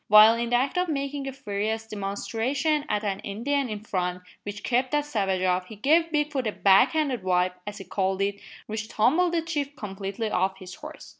While in the act of making a furious demonstration at an Indian in front, which kept that savage off, he gave Bigfoot a "back handed wipe," as he called it, which tumbled the chief completely off his horse.